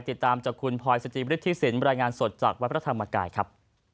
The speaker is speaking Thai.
ติดตามจากคุณพลอยสจิมฤทธิสินบรรยายงานสดจากวัดพระธรรมกายครับ